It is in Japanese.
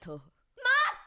まって！